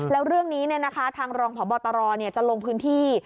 แล้วเรื่องนี้ทางรองพบตรจะลงพื้นที่